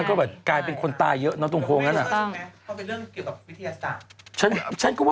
ก็แบบกลายเป็นคนตายเยอะเนอะตรงโครงนั้น